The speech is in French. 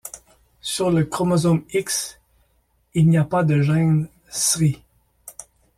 Sur le chromosome X, il n'y a pas de gène Sry.